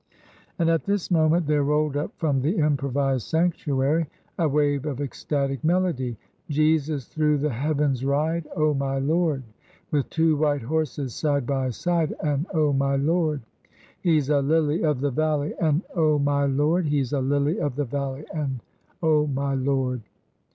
And at this moment there rolled up from the improvised sanctuary a wave of ecstatic melody: Jesus through the heavens ride, Oh, my Lord! With two white horses side by side, An' oh, my Lord! He 's a lily of the valley. An' oh, my Lord ! He 's a lily of the valley. An' oh, my Lord